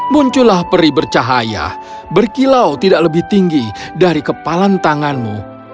muncullah peri bercahaya berkilau tidak lebih tinggi dari kepalan tanganmu